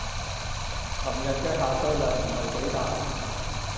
尋日嘅下載量唔係幾大